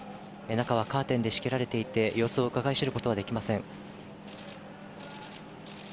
中はカーテンで仕切られていて、様子をうかがい知ることはできません。